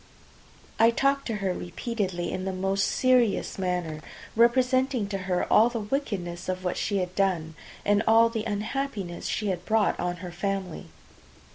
I talked to her repeatedly in the most serious manner, representing to her the wickedness of what she had done, and all the unhappiness she had brought on her family.